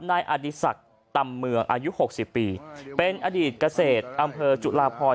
นายอดีศักดิ์ตำเมืองอายุ๖๐ปีเป็นอดีตเกษตรอำเภอจุลาพร